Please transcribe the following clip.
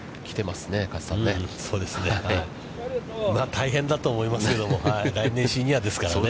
まあ、大変だと思いますけども、来年シニアですからね。